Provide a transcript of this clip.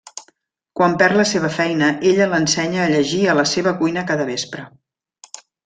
Quan perd la seva feina, ella l'ensenya a llegir a la seva cuina cada vespre.